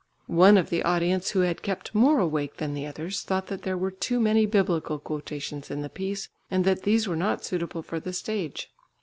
One of the audience who had kept more awake than the others thought that there were too many Biblical quotations in the piece, and that these were not suitable for the stage.